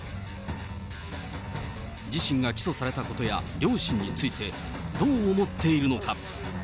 自身が起訴されたことや両親について、どう思っているのか。